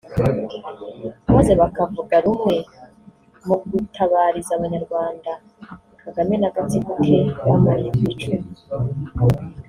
maze bakavuga rumwe mu gutabariza abanyarwanda Kagame n’agatsiko ke bamariye ku icumu